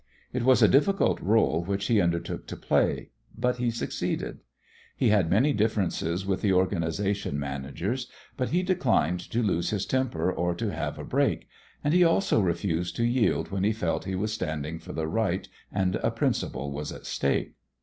It was a difficult role which he undertook to play, but he succeeded. He had many differences with the organization managers, but he declined to lose his temper or to have a break, and he also refused to yield when he felt he was standing for the right and a principle was at stake.